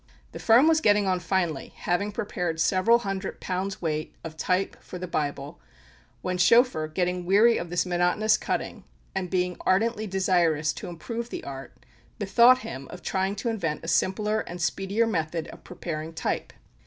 The firm was getting on finely, having prepared several hundred pounds' weight of type for the Bible, when Schoeffer, getting weary of this monotonous cutting, "and being ardently desirous to improve the art," bethought him of trying to invent a simpler and speedier method of preparing type.